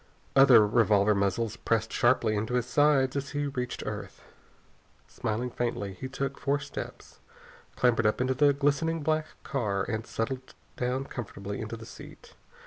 Other revolver muzzles pressed sharply into his sides as he reached earth. Smiling faintly, he took four steps, clambered up into the glistening black car, and settled down comfortably into the seat.